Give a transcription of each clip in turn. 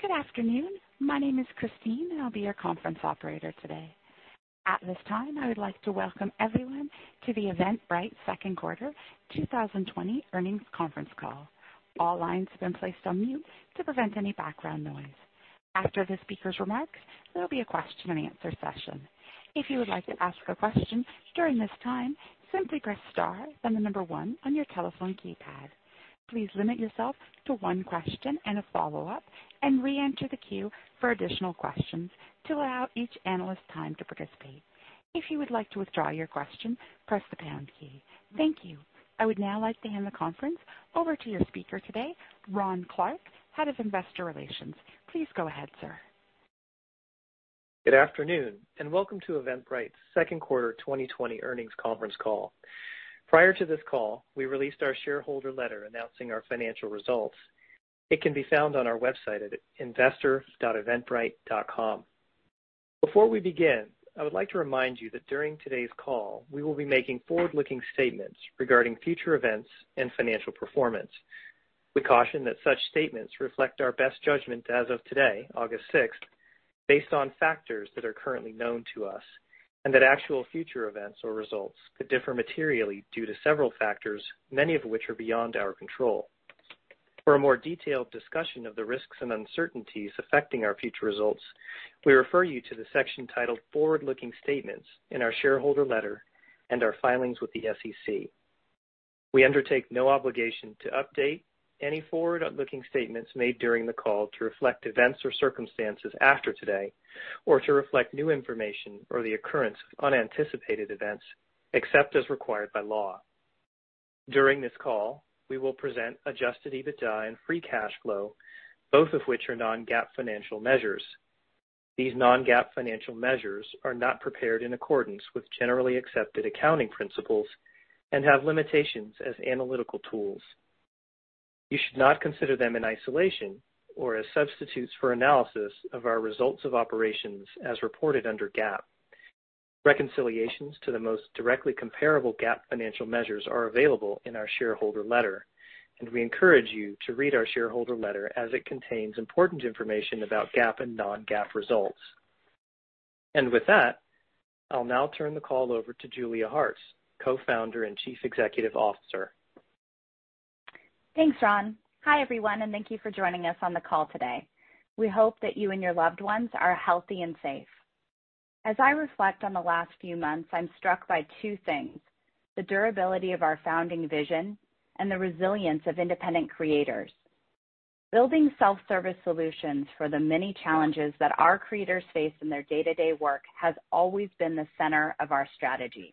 Good afternoon. My name is Christine, and I'll be your conference operator today. At this time, I would like to welcome everyone to the Eventbrite Second Quarter 2020 earnings conference call. All lines have been placed on mute to prevent any background noise. After the speaker's remarks, there will be a question-and-answer session. If you would like to ask a question during this time, simply press star, then the number one on your telephone keypad. Please limit yourself to one question and a follow-up, and re-enter the queue for additional questions to allow each analyst time to participate. If you would like to withdraw your question, press the pound key. Thank you. I would now like to hand the conference over to your speaker today, Ron Clark, Head of Investor Relations. Please go ahead, sir. Good afternoon, and welcome to Eventbrite's Second Quarter 2020 earnings conference call. Prior to this call, we released our shareholder letter announcing our financial results. It can be found on our website at investor.eventbrite.com. Before we begin, I would like to remind you that during today's call, we will be making forward-looking statements regarding future events and financial performance. We caution that such statements reflect our best judgment as of today, August 6th, based on factors that are currently known to us, and that actual future events or results could differ materially due to several factors, many of which are beyond our control. For a more detailed discussion of the risks and uncertainties affecting our future results, we refer you to the section titled Forward-Looking Statements in our shareholder letter and our filings with the SEC. We undertake no obligation to update any forward-looking statements made during the call to reflect events or circumstances after today, or to reflect new information or the occurrence of unanticipated events, except as required by law. During this call, we will present Adjusted EBITDA and Free Cash Flow, both of which are non-GAAP financial measures. These non-GAAP financial measures are not prepared in accordance with generally accepted accounting principles and have limitations as analytical tools. You should not consider them in isolation or as substitutes for analysis of our results of operations as reported under GAAP. Reconciliations to the most directly comparable GAAP financial measures are available in our shareholder letter, and we encourage you to read our shareholder letter as it contains important information about GAAP and non-GAAP results. And with that, I'll now turn the call over to Julia Hartz, Co-founder and Chief Executive Officer. Thanks, Ron. Hi, everyone, and thank you for joining us on the call today. We hope that you and your loved ones are healthy and safe. As I reflect on the last few months, I'm struck by two things: the durability of our founding vision and the resilience of independent creators. Building self-service solutions for the many challenges that our creators face in their day-to-day work has always been the center of our strategy.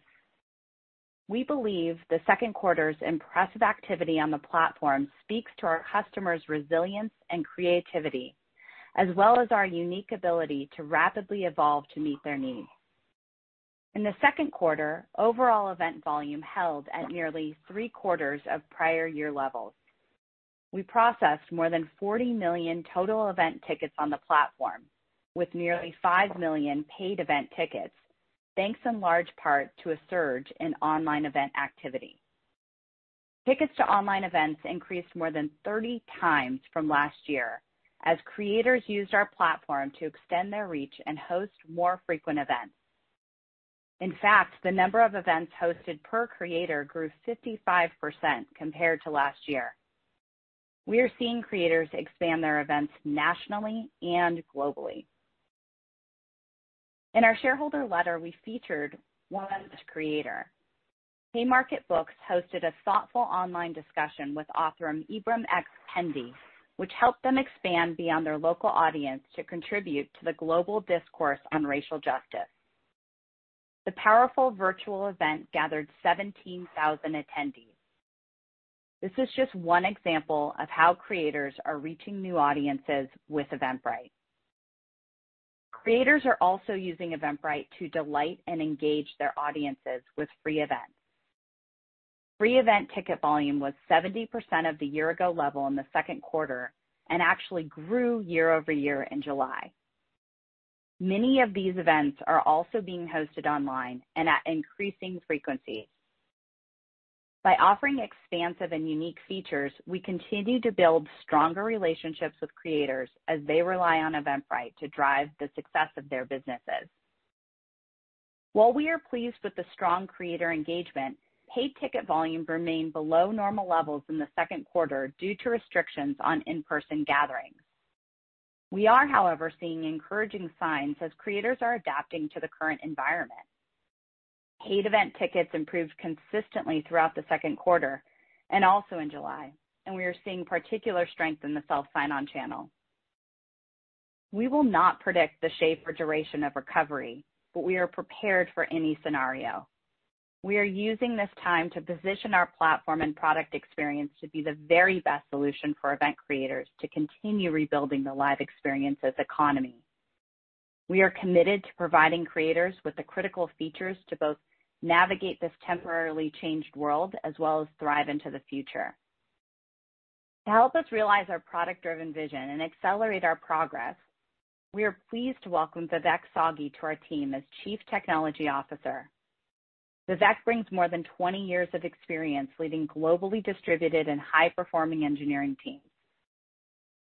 We believe the second quarter's impressive activity on the platform speaks to our customers' resilience and creativity, as well as our unique ability to rapidly evolve to meet their needs. In the second quarter, overall event volume held at nearly three-quarters of prior year levels. We processed more than 40 million total event tickets on the platform, with nearly five million paid event tickets, thanks in large part to a surge in online event activity. Tickets to online events increased more than 30 times from last year as creators used our platform to extend their reach and host more frequent events. In fact, the number of events hosted per creator grew 55% compared to last year. We are seeing creators expand their events nationally and globally. In our shareholder letter, we featured one creator. Haymarket Books hosted a thoughtful online discussion with author Ibram X. Kendi, which helped them expand beyond their local audience to contribute to the global discourse on racial justice. The powerful virtual event gathered 17,000 attendees. This is just one example of how creators are reaching new audiences with Eventbrite. Creators are also using Eventbrite to delight and engage their audiences with free events. Free event ticket volume was 70% of the year-ago level in the second quarter and actually grew year over year in July. Many of these events are also being hosted online and at increasing frequencies. By offering expansive and unique features, we continue to build stronger relationships with creators as they rely on Eventbrite to drive the success of their businesses. While we are pleased with the strong creator engagement, paid ticket volume remained below normal levels in the second quarter due to restrictions on in-person gatherings. We are, however, seeing encouraging signs as creators are adapting to the current environment. Paid event tickets improved consistently throughout the second quarter and also in July, and we are seeing particular strength in the Self-Sign-On channel. We will not predict the shape or duration of recovery, but we are prepared for any scenario. We are using this time to position our platform and product experience to be the very best solution for event creators to continue rebuilding the live experiences economy. We are committed to providing creators with the critical features to both navigate this temporarily changed world as well as thrive into the future. To help us realize our product-driven vision and accelerate our progress, we are pleased to welcome Vivek Sagi to our team as Chief Technology Officer. Vivek brings more than 20 years of experience leading globally distributed and high-performing engineering teams.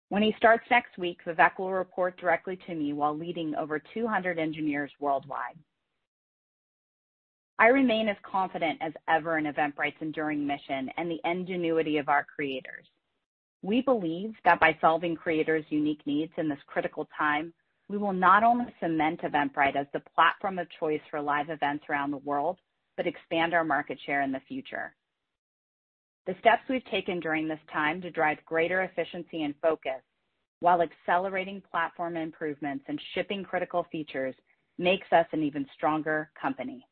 When he starts next week, Vivek will report directly to me while leading over 200 engineers worldwide. I remain as confident as ever in Eventbrite's enduring mission and the ingenuity of our creators. We believe that by solving creators' unique needs in this critical time, we will not only cement Eventbrite as the platform of choice for live events around the world, but expand our market share in the future. The steps we've taken during this time to drive greater efficiency and focus while accelerating platform improvements and shipping critical features makes us an even stronger company.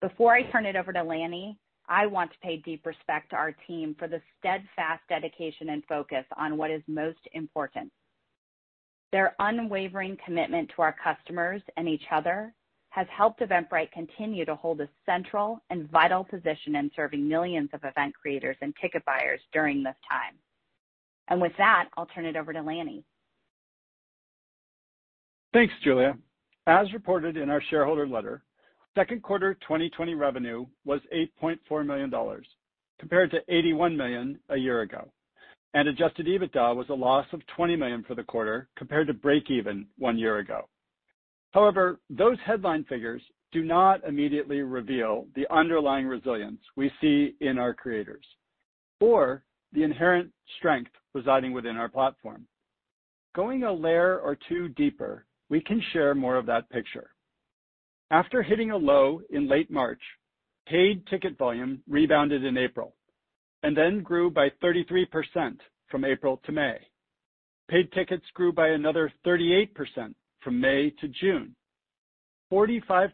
Before I turn it over to Lanny, I want to pay deep respect to our team for the steadfast dedication and focus on what is most important. Their unwavering commitment to our customers and each other has helped Eventbrite continue to hold a central and vital position in serving millions of event creators and ticket buyers during this time. And with that, I'll turn it over to Lanny. Thanks, Julia. As reported in our shareholder letter, second quarter 2020 revenue was $8.4 million, compared to $81 million a year ago, and Adjusted EBITDA was a loss of $20 million for the quarter compared to break-even one year ago. However, those headline figures do not immediately reveal the underlying resilience we see in our creators or the inherent strength residing within our platform. Going a layer or two deeper, we can share more of that picture. After hitting a low in late March, paid ticket volume rebounded in April and then grew by 33% from April to May. Paid tickets grew by another 38% from May to June. 45%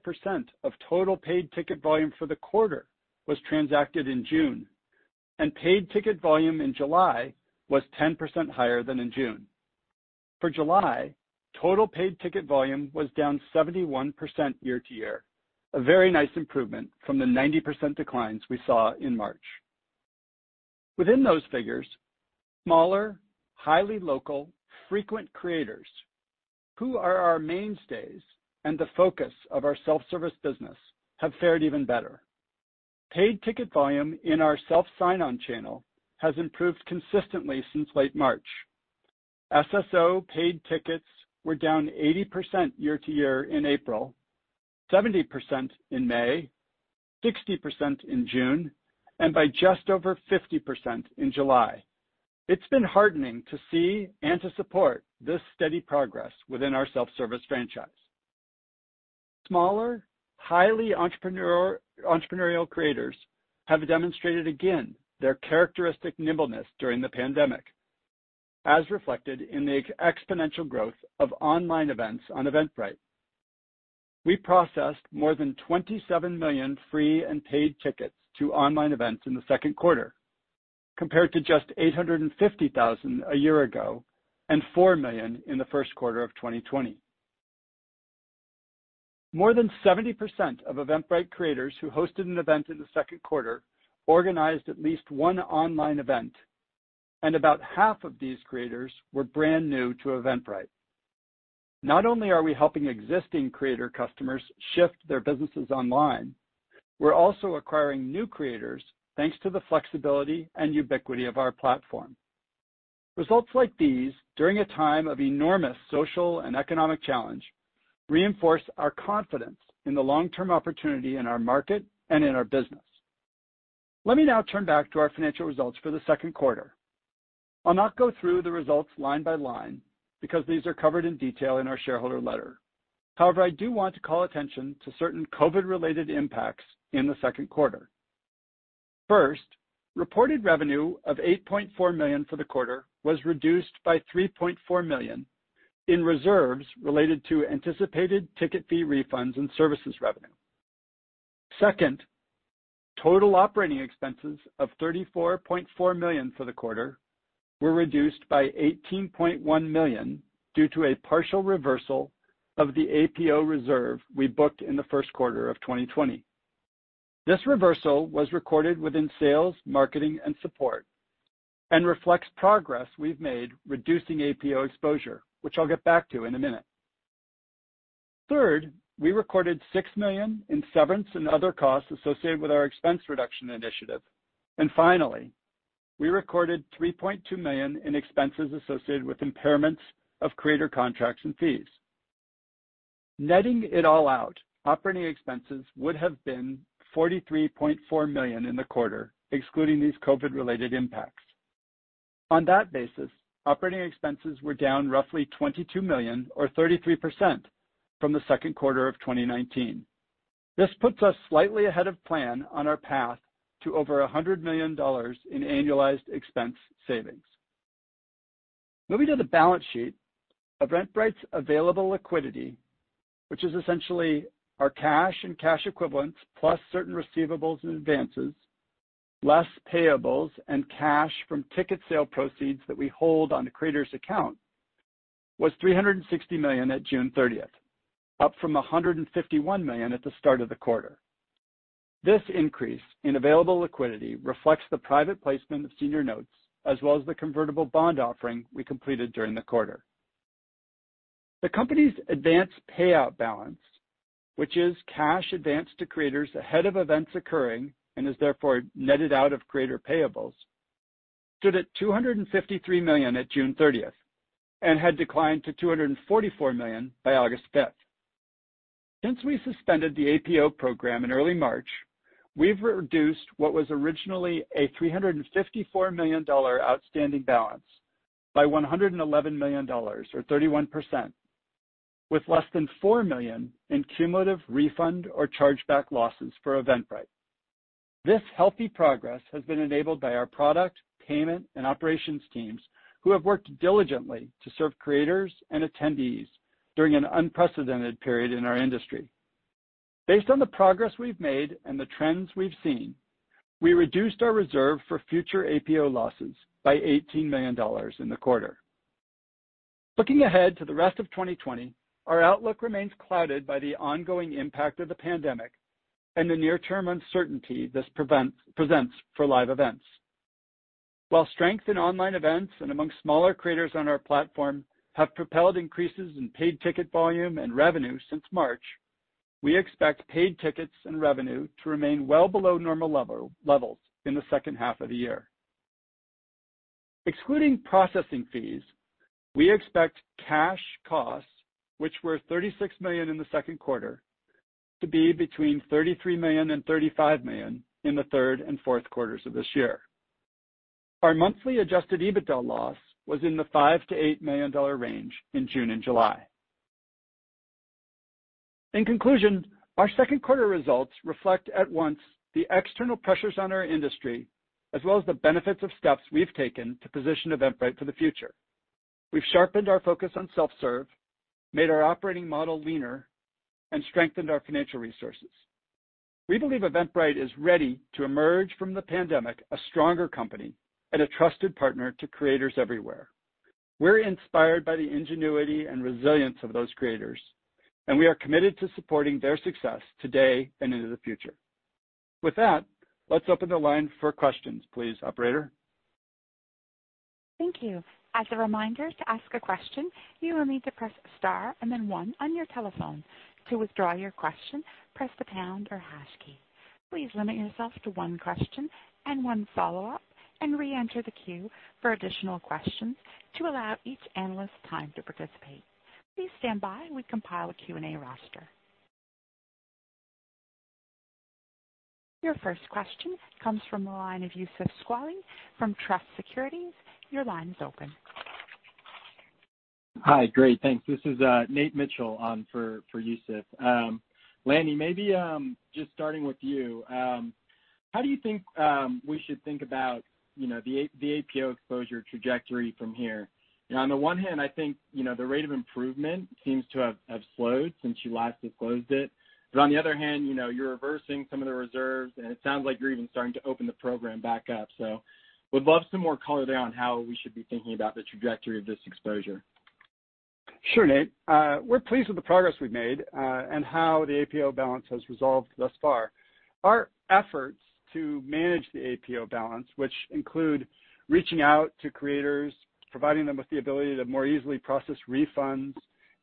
of total paid ticket volume for the quarter was transacted in June, and paid ticket volume in July was 10% higher than in June. For July, total paid ticket volume was down 71% year to year, a very nice improvement from the 90% declines we saw in March. Within those figures, smaller, highly local, frequent creators who are our mainstays and the focus of our self-service business have fared even better. Paid ticket volume in our self-sign-on channel has improved consistently since late March. SSO paid tickets were down 80% year to year in April, 70% in May, 60% in June, and by just over 50% in July. It's been heartening to see and to support this steady progress within our self-service franchise. Smaller, highly entrepreneurial creators have demonstrated again their characteristic nimbleness during the pandemic, as reflected in the exponential growth of online events on Eventbrite. We processed more than 27 million free and paid tickets to online events in the second quarter, compared to just 850,000 a year ago and four million in the first quarter of 2020. More than 70% of Eventbrite creators who hosted an event in the second quarter organized at least one online event, and about half of these creators were brand new to Eventbrite. Not only are we helping existing creator customers shift their businesses online, we're also acquiring new creators thanks to the flexibility and ubiquity of our platform. Results like these during a time of enormous social and economic challenge reinforce our confidence in the long-term opportunity in our market and in our business. Let me now turn back to our financial results for the second quarter. I'll not go through the results line by line because these are covered in detail in our shareholder letter. However, I do want to call attention to certain COVID-related impacts in the second quarter. First, reported revenue of $8.4 million for the quarter was reduced by $3.4 million in reserves related to anticipated ticket fee refunds and services revenue. Second, total operating expenses of $34.4 million for the quarter were reduced by $18.1 million due to a partial reversal of the APO reserve we booked in the first quarter of 2020. This reversal was recorded within sales, marketing, and support and reflects progress we've made reducing APO exposure, which I'll get back to in a minute. Third, we recorded $6 million in severance and other costs associated with our expense reduction initiative. And finally, we recorded $3.2 million in expenses associated with impairments of creator contracts and fees. Netting it all out, operating expenses would have been $43.4 million in the quarter, excluding these COVID-related impacts. On that basis, operating expenses were down roughly $22 million, or 33%, from the second quarter of 2019. This puts us slightly ahead of plan on our path to over $100 million in annualized expense savings. Moving to the balance sheet, Eventbrite's available liquidity, which is essentially our cash and cash equivalents plus certain receivables and advances, less payables, and cash from ticket sale proceeds that we hold on the creator's account, was $360 million at June 30th, up from $151 million at the start of the quarter. This increase in available liquidity reflects the private placement of senior notes as well as the convertible bond offering we completed during the quarter. The company's Advance Payout balance, which is cash advanced to creators ahead of events occurring and is therefore netted out of creator payables, stood at $253 million at June 30th and had declined to $244 million by August 5th. Since we suspended the APO program in early March, we've reduced what was originally a $354 million outstanding balance by $111 million, or 31%, with less than $4 million in cumulative refund or chargeback losses for Eventbrite. This healthy progress has been enabled by our product, payment, and operations teams who have worked diligently to serve creators and attendees during an unprecedented period in our industry. Based on the progress we've made and the trends we've seen, we reduced our reserve for future APO losses by $18 million in the quarter. Looking ahead to the rest of 2020, our outlook remains clouded by the ongoing impact of the pandemic and the near-term uncertainty this presents for live events. While strength in online events and among smaller creators on our platform have propelled increases in paid ticket volume and revenue since March, we expect paid tickets and revenue to remain well below normal levels in the second half of the year. Excluding processing fees, we expect cash costs, which were $36 million in the second quarter, to be between $33 million and $35 million in the third and fourth quarters of this year. Our monthly Adjusted EBITDA loss was in the $5 to $8 million range in June and July. In conclusion, our second quarter results reflect at once the external pressures on our industry as well as the benefits of steps we've taken to position Eventbrite for the future. We've sharpened our focus on self-serve, made our operating model leaner, and strengthened our financial resources. We believe Eventbrite is ready to emerge from the pandemic a stronger company and a trusted partner to creators everywhere. We're inspired by the ingenuity and resilience of those creators, and we are committed to supporting their success today and into the future. With that, let's open the line for questions, please, Operator. Thank you. As a reminder to ask a question, you will need to press star and then one on your telephone. To withdraw your question, press the pound or hash key. Please limit yourself to one question and one follow-up and re-enter the queue for additional questions to allow each analyst time to participate. Please stand by. We compile a Q&A roster. Your first question comes from the line of Youssef Squali from Truist Securities. Your line is open. Hi. Great. Thanks. This is Nate Mitchell on for Youssef. Lanny, maybe just starting with you, how do you think we should think about the APO exposure trajectory from here? On the one hand, I think the rate of improvement seems to have slowed since you last disclosed it. But on the other hand, you're reversing some of the reserves, and it sounds like you're even starting to open the program back up. So we'd love some more color there on how we should be thinking about the trajectory of this exposure. Sure, Nate. We're pleased with the progress we've made and how the APO balance has resolved thus far. Our efforts to manage the APO balance, which include reaching out to creators, providing them with the ability to more easily process refunds,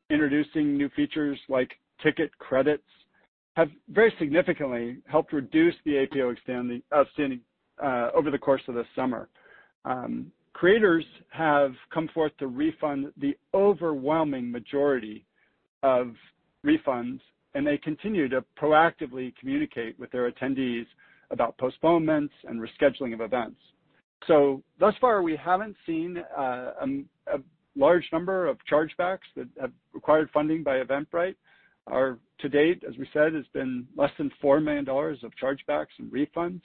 introducing new features like ticket credits, have very significantly helped reduce the APO outstanding over the course of this summer. Creators have come forth to refund the overwhelming majority of refunds, and they continue to proactively communicate with their attendees about postponements and rescheduling of events. So thus far, we haven't seen a large number of chargebacks that have required funding by Eventbrite. To date, as we said, it's been less than $4 million of chargebacks and refunds.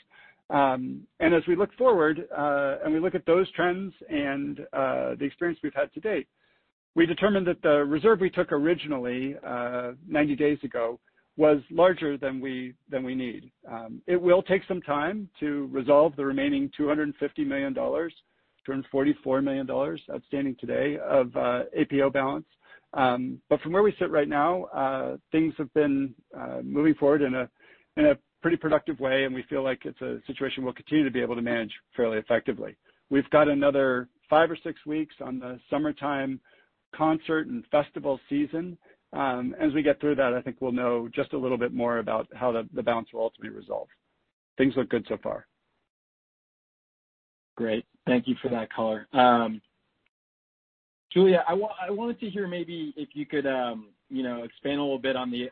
And as we look forward and we look at those trends and the experience we've had to date, we determined that the reserve we took originally 90 days ago was larger than we need. It will take some time to resolve the remaining $250 million, $244 million outstanding today of APO balance. But from where we sit right now, things have been moving forward in a pretty productive way, and we feel like it's a situation we'll continue to be able to manage fairly effectively. We've got another five or six weeks on the summertime concert and festival season. As we get through that, I think we'll know just a little bit more about how the balance will ultimately resolve. Things look good so far. Great. Thank you for that color. Julia, I wanted to hear maybe if you could expand a little bit on the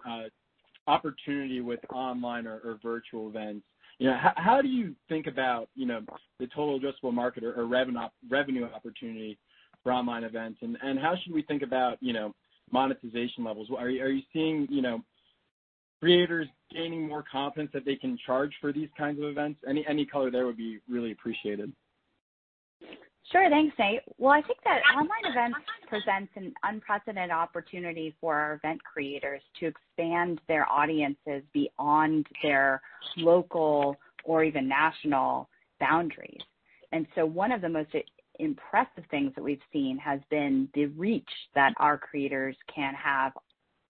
opportunity with online or virtual events. How do you think about the total addressable market or revenue opportunity for online events? And how should we think about monetization levels? Are you seeing creators gaining more confidence that they can charge for these kinds of events? Any color there would be really appreciated. Sure. Thanks, Nate. Well, I think that online events present an unprecedented opportunity for our event creators to expand their audiences beyond their local or even national boundaries. And so one of the most impressive things that we've seen has been the reach that our creators can have,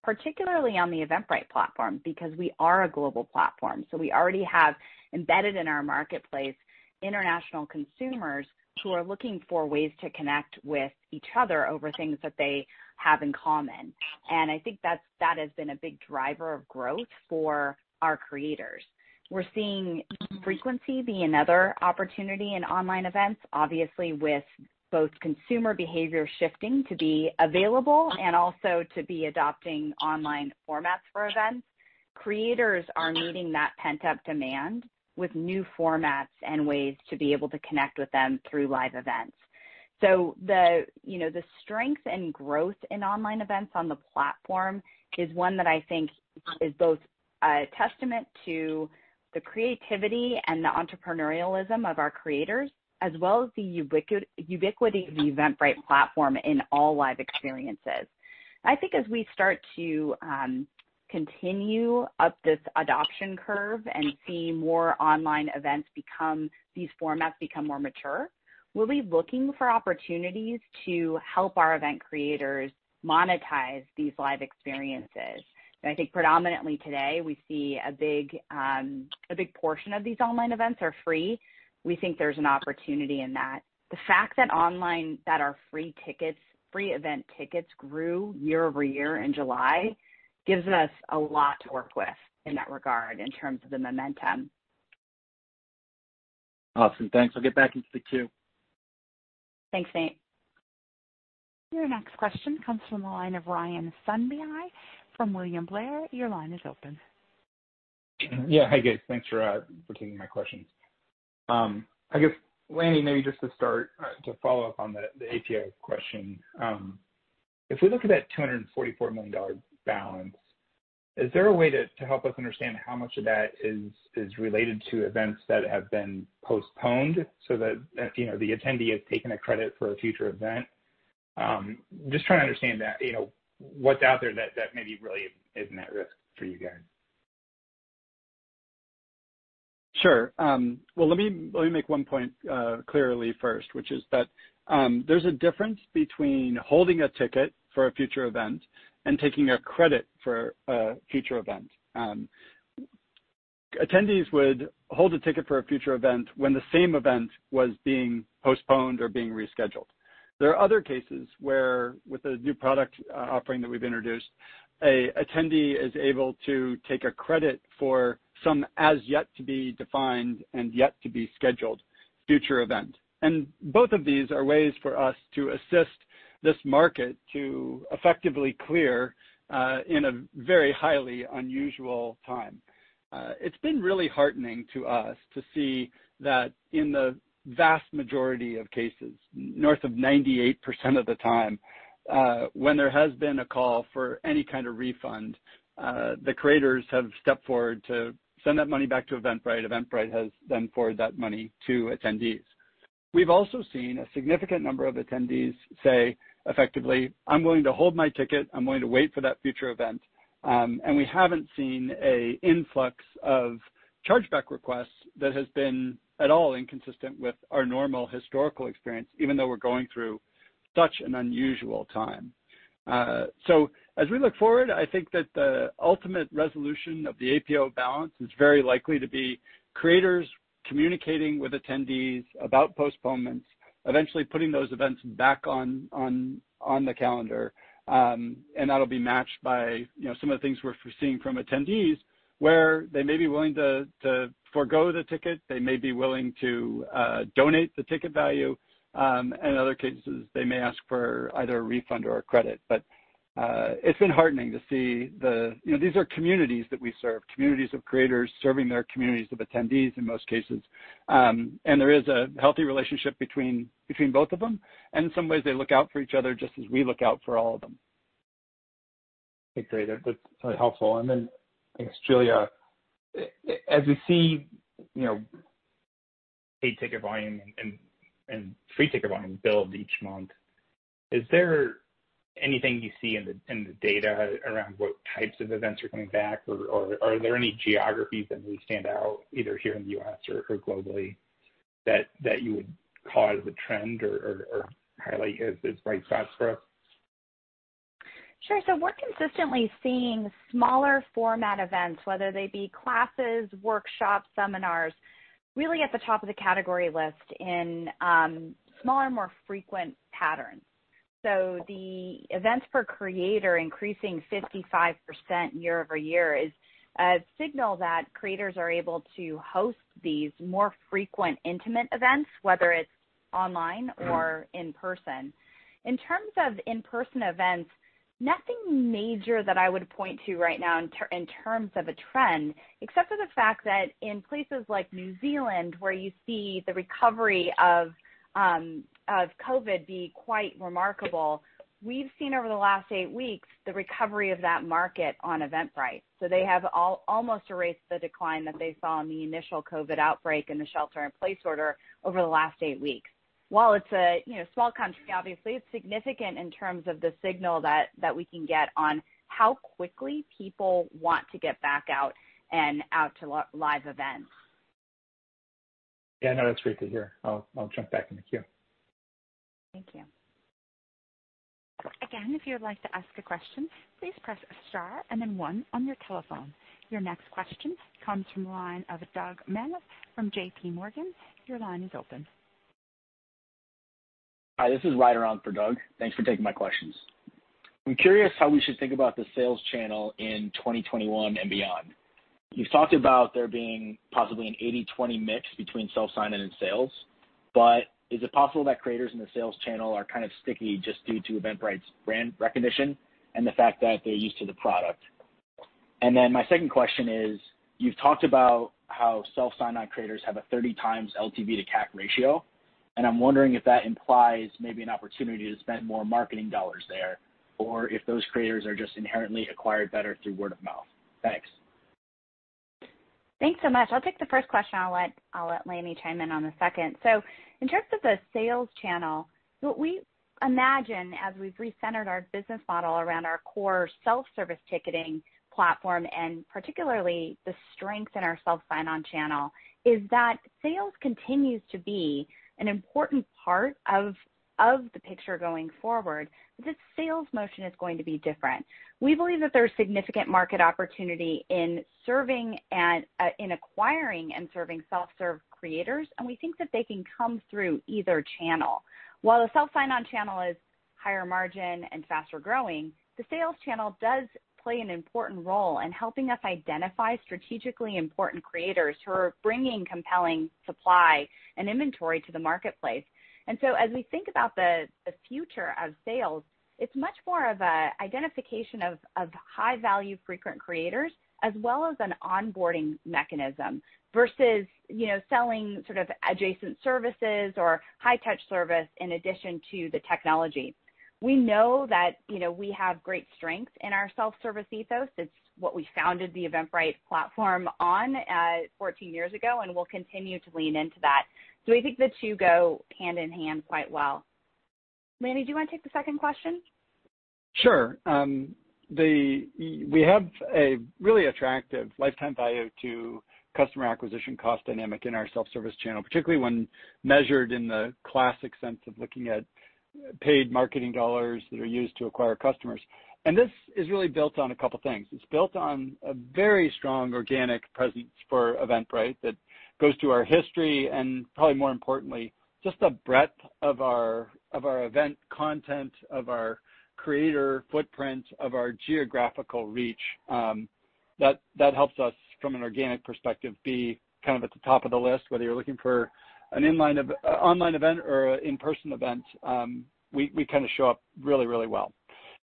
particularly on the Eventbrite platform, because we are a global platform. So we already have embedded in our marketplace international consumers who are looking for ways to connect with each other over things that they have in common. And I think that has been a big driver of growth for our creators. We're seeing frequency be another opportunity in online events, obviously, with both consumer behavior shifting to be available and also to be adopting online formats for events. Creators are meeting that pent-up demand with new formats and ways to be able to connect with them through live events. So the strength and growth in online events on the platform is one that I think is both a testament to the creativity and the entrepreneurialism of our creators, as well as the ubiquity of the Eventbrite platform in all live experiences. I think as we start to continue up this adoption curve and see more online events become these formats more mature, we'll be looking for opportunities to help our event creators monetize these live experiences. I think predominantly today, we see a big portion of these online events are free. We think there's an opportunity in that. The fact that online events that are free tickets grew year over year in July gives us a lot to work with in that regard in terms of the momentum. Awesome. Thanks. I'll get back into the queue. Thanks, Nate. Your next question comes from the line of Ryan Sundby from William Blair. Your line is open. Yeah. Hey, guys. Thanks for taking my questions. I guess, Lanny, maybe just to start to follow up on the APO question, if we look at that $244 million balance, is there a way to help us understand how much of that is related to events that have been postponed so that the attendee has taken a credit for a future event? Just trying to understand what's out there that maybe really isn't at risk for you guys. Sure. Well, let me make one point clearly first, which is that there's a difference between holding a ticket for a future event and taking a credit for a future event. Attendees would hold a ticket for a future event when the same event was being postponed or being rescheduled. There are other cases where, with a new product offering that we've introduced, an attendee is able to take a credit for some as yet to be defined and yet to be scheduled future event. And both of these are ways for us to assist this market to effectively clear in a very highly unusual time. It's been really heartening to us to see that in the vast majority of cases, north of 98% of the time, when there has been a call for any kind of refund, the creators have stepped forward to send that money back to Eventbrite. Eventbrite has then forwarded that money to attendees. We've also seen a significant number of attendees say effectively, "I'm willing to hold my ticket. I'm willing to wait for that future event." And we haven't seen an influx of chargeback requests that has been at all inconsistent with our normal historical experience, even though we're going through such an unusual time. So as we look forward, I think that the ultimate resolution of the APO balance is very likely to be creators communicating with attendees about postponements, eventually putting those events back on the calendar. And that'll be matched by some of the things we're seeing from attendees where they may be willing to forego the ticket. They may be willing to donate the ticket value. In other cases, they may ask for either a refund or a credit. But it's been heartening to see these are communities that we serve, communities of creators serving their communities of attendees in most cases. And there is a healthy relationship between both of them. And in some ways, they look out for each other just as we look out for all of them. Okay. Great. That's helpful. And then, I guess, Julia, as we see paid ticket volume and free ticket volume build each month, is there anything you see in the data around what types of events are coming back? Or are there any geographies that may stand out either here in the U.S. or globally that you would call as a trend or highlight as bright spots for us? Sure. So we're consistently seeing smaller format events, whether they be classes, workshops, seminars, really at the top of the category list in smaller, more frequent patterns. So the events per creator increasing 55% year over year is a signal that creators are able to host these more frequent, intimate events, whether it's online or in person. In terms of in-person events, nothing major that I would point to right now in terms of a trend, except for the fact that in places like New Zealand, where you see the recovery of COVID be quite remarkable, we've seen over the last eight weeks the recovery of that market on Eventbrite. So they have almost erased the decline that they saw in the initial COVID outbreak and the shelter-in-place order over the last eight weeks. While it's a small country, obviously, it's significant in terms of the signal that we can get on how quickly people want to get back out to live events. Yeah. No, that's great to hear. I'll jump back in the queue. Thank you. Again, if you would like to ask a question, please press star and then one on your telephone. Your next question comes from the line of Doug Anmuth from JPMorgan. Your line is open. Hi. This is Ryan in for Doug. Thanks for taking my questions. I'm curious how we should think about the sales channel in 2021 and beyond. You've talked about there being possibly an 80/20 mix between self-sign-on and sales. But is it possible that creators in the sales channel are kind of sticky just due to Eventbrite's brand recognition and the fact that they're used to the product? And then my second question is, you've talked about how self-sign-on creators have a 30 times LTV to CAC ratio. And I'm wondering if that implies maybe an opportunity to spend more marketing dollars there or if those creators are just inherently acquired better through word of mouth. Thanks. Thanks so much. I'll take the first question. I'll let Lanny chime in on the second. So in terms of the sales channel, what we imagine as we've re-centered our business model around our core self-service ticketing platform and particularly the strength in our self-sign-on channel is that sales continues to be an important part of the picture going forward. The sales motion is going to be different. We believe that there's significant market opportunity in acquiring and serving self-serve creators. And we think that they can come through either channel. While the self-sign-on channel is higher margin and faster growing, the sales channel does play an important role in helping us identify strategically important creators who are bringing compelling supply and inventory to the marketplace. And so as we think about the future of sales, it's much more of an identification of high-value frequent creators as well as an onboarding mechanism versus selling sort of adjacent services or high-touch service in addition to the technology. We know that we have great strengths in our self-service ethos. It's what we founded the Eventbrite platform on 14 years ago and will continue to lean into that. So we think the two go hand in hand quite well. Lanny, do you want to take the second question? Sure. We have a really attractive lifetime value to customer acquisition cost dynamic in our self-service channel, particularly when measured in the classic sense of looking at paid marketing dollars that are used to acquire customers. And this is really built on a couple of things. It's built on a very strong organic presence for Eventbrite that goes to our history and probably more importantly, just the breadth of our event content, of our creator footprint, of our geographical reach. That helps us, from an organic perspective, be kind of at the top of the list, whether you're looking for an online event or an in-person event. We kind of show up really, really well.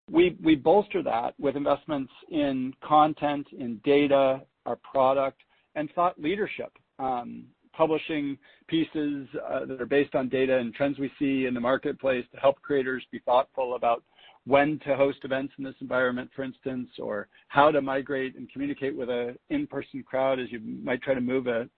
We bolster that with investments in content, in data, our product, and thought leadership, publishing pieces that are based on data and trends we see in the marketplace to help creators be thoughtful about when to host events in this environment, for instance, or how to migrate and communicate with an in-person crowd as you might try to move an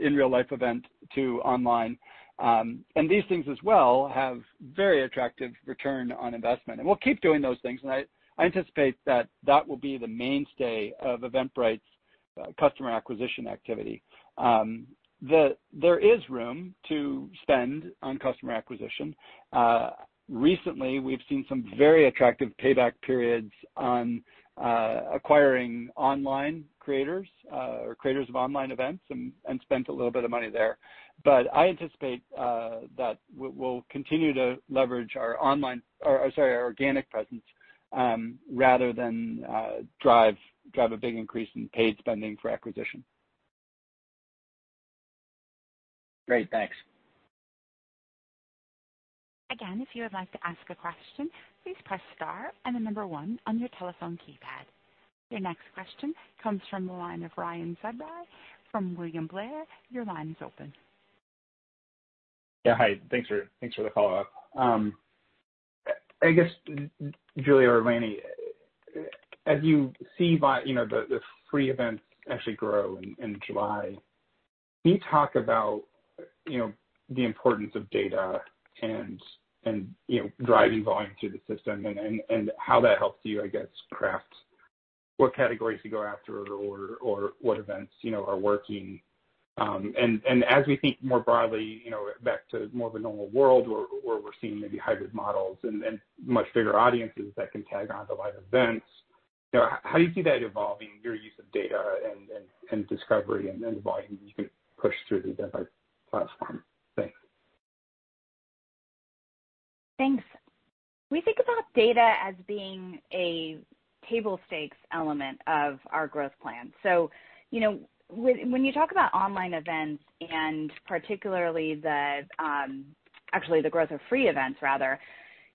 in-real-life event to online. And these things as well have very attractive return on investment. And we'll keep doing those things. And I anticipate that that will be the mainstay of Eventbrite's customer acquisition activity. There is room to spend on customer acquisition. Recently, we've seen some very attractive payback periods on acquiring online creators or creators of online events and spent a little bit of money there. But I anticipate that we'll continue to leverage our online or, sorry, our organic presence rather than drive a big increase in paid spending for acquisition. Great. Thanks. Again, if you would like to ask a question, please press star and the number one on your telephone keypad. Your next question comes from the line of Ryan Sundby from William Blair. Your line is open. Yeah. Hi. Thanks for the follow-up. I guess, Julia or Lanny, as you see the free events actually grow in July, can you talk about the importance of data and driving volume through the system and how that helps you, I guess, craft what categories you go after or what events are working? And as we think more broadly back to more of a normal world where we're seeing maybe hybrid models and much bigger audiences that can tag on to live events, how do you see that evolving, your use of data and discovery and the volume you can push through the Eventbrite platform? Thanks. Thanks. We think about data as being a table stakes element of our growth plan. So when you talk about online events and particularly actually the growth of free events, rather,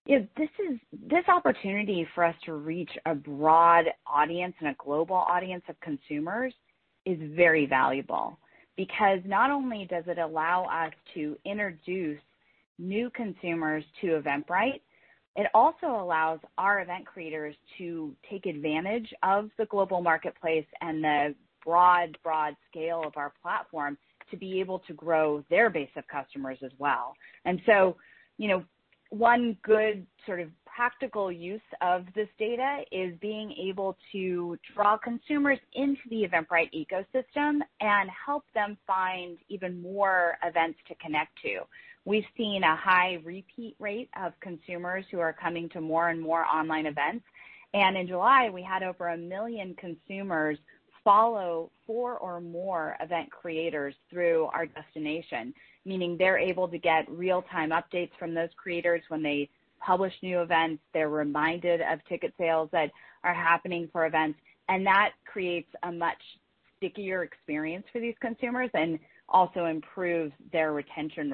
this opportunity for us to reach a broad audience and a global audience of consumers is very valuable because not only does it allow us to introduce new consumers to Eventbrite, it also allows our event creators to take advantage of the global marketplace and the broad, broad scale of our platform to be able to grow their base of customers as well. And so one good sort of practical use of this data is being able to draw consumers into the Eventbrite ecosystem and help them find even more events to connect to. We've seen a high repeat rate of consumers who are coming to more and more online events. In July, we had over a million consumers follow four or more event creators through our destination, meaning they're able to get real-time updates from those creators when they publish new events. They're reminded of ticket sales that are happening for events. That creates a much stickier experience for these consumers and also improves their retention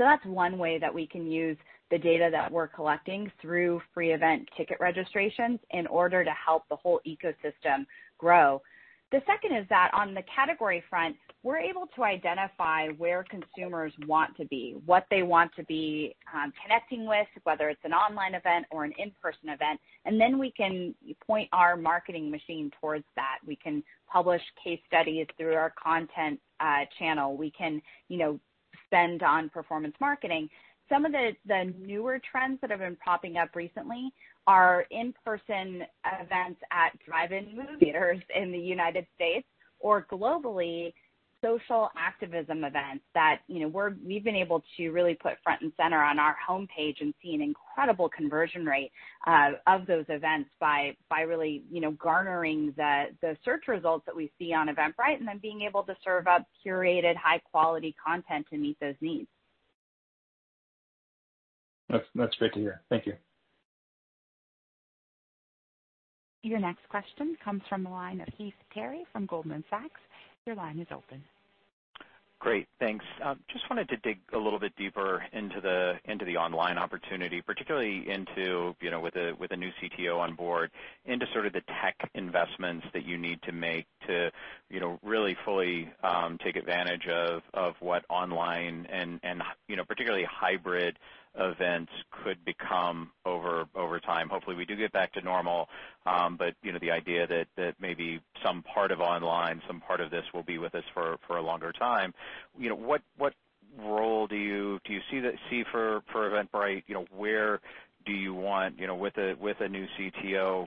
rate. That's one way that we can use the data that we're collecting through free event ticket registrations in order to help the whole ecosystem grow. The second is that on the category front, we're able to identify where consumers want to be, what they want to be connecting with, whether it's an online event or an in-person event. Then we can point our marketing machine towards that. We can publish case studies through our content channel. We can spend on performance marketing. Some of the newer trends that have been popping up recently are in-person events at drive-in movie theaters in the United States, or, globally, social activism events that we've been able to really put front and center on our homepage and see an incredible conversion rate of those events by really garnering the search results that we see on Eventbrite and then being able to serve up curated high-quality content to meet those needs. That's great to hear. Thank you. Your next question comes from the line of Heath Terry from Goldman Sachs. Your line is open. Great. Thanks. Just wanted to dig a little bit deeper into the online opportunity, particularly with a new CTO on board, into sort of the tech investments that you need to make to really fully take advantage of what online and particularly hybrid events could become over time. Hopefully, we do get back to normal. But the idea that maybe some part of online, some part of this will be with us for a longer time. What role do you see for Eventbrite? Where do you want with a new CTO?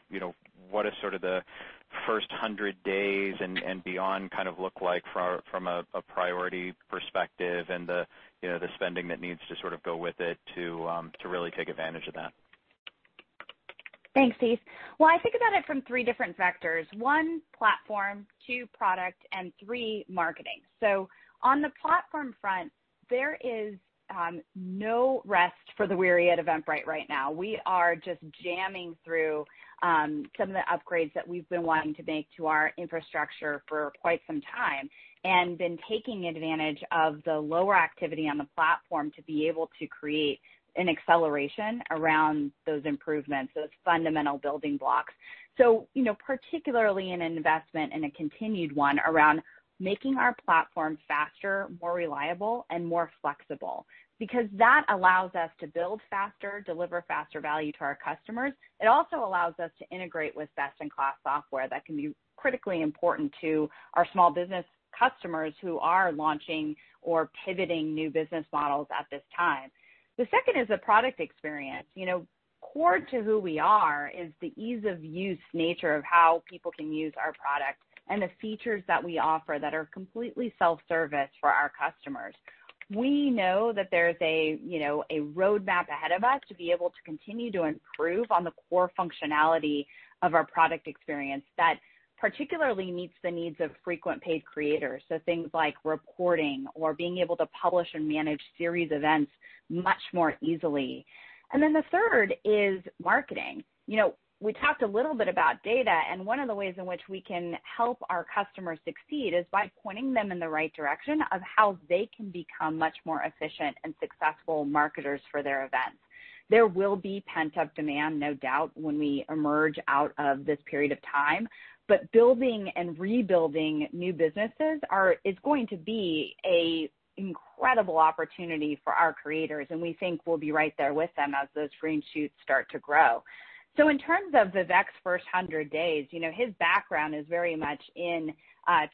What does sort of the first 100 days and beyond kind of look like from a priority perspective and the spending that needs to sort of go with it to really take advantage of that? Thanks, Heath. Well, I think about it from three different vectors: one, platform; two, product; and three, marketing. So on the platform front, there is no rest for the weary at Eventbrite right now. We are just jamming through some of the upgrades that we've been wanting to make to our infrastructure for quite some time and been taking advantage of the lower activity on the platform to be able to create an acceleration around those improvements, those fundamental building blocks. So particularly an investment and a continued one around making our platform faster, more reliable, and more flexible because that allows us to build faster, deliver faster value to our customers. It also allows us to integrate with best-in-class software that can be critically important to our small business customers who are launching or pivoting new business models at this time. The second is the product experience. Core to who we are is the ease-of-use nature of how people can use our product and the features that we offer that are completely self-service for our customers. We know that there's a roadmap ahead of us to be able to continue to improve on the core functionality of our product experience that particularly meets the needs of frequent paid creators. So things like reporting or being able to publish and manage series events much more easily. And then the third is marketing. We talked a little bit about data. And one of the ways in which we can help our customers succeed is by pointing them in the right direction of how they can become much more efficient and successful marketers for their events. There will be pent-up demand, no doubt, when we emerge out of this period of time. But building and rebuilding new businesses is going to be an incredible opportunity for our creators. And we think we'll be right there with them as those green shoots start to grow. So in terms of Vivek's first 100 days, his background is very much in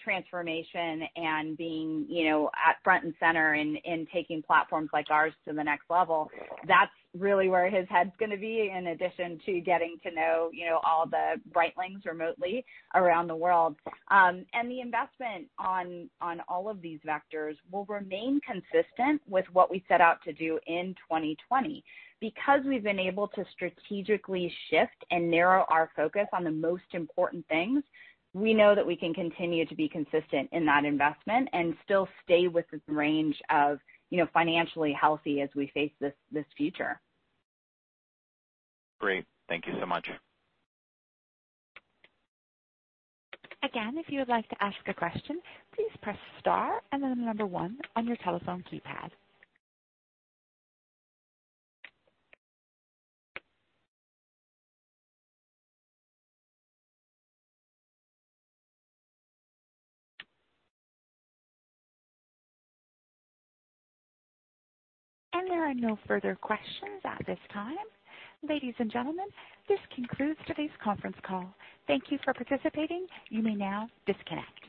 transformation and being front and center in taking platforms like ours to the next level. That's really where his head's going to be in addition to getting to know all the Brightlings remotely around the world. And the investment on all of these vectors will remain consistent with what we set out to do in 2020. Because we've been able to strategically shift and narrow our focus on the most important things, we know that we can continue to be consistent in that investment and still stay within the range of financially healthy as we face this future. Great. Thank you so much. Again, if you would like to ask a question, please press star and then the number one on your telephone keypad. And there are no further questions at this time. Ladies and gentlemen, this concludes today's conference call. Thank you for participating. You may now disconnect.